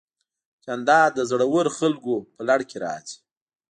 جانداد د زړورو خلکو په لړ کې راځي.